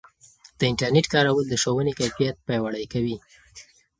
د انټرنیټ کارول د ښوونې کیفیت پیاوړی کوي.